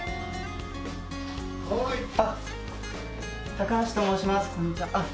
高橋と申します。